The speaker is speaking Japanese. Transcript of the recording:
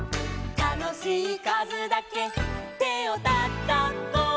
「たのしいかずだけてをたたこ」